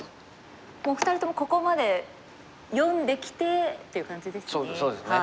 もう２人ともここまで読んできてっていう感じですね。